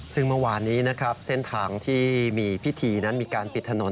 ซึ่งเมื่อวานนี้นะครับเส้นทางที่มีพิธีนั้นมีการปิดถนน